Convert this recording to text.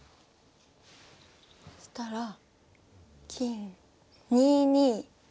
そしたら金２二金。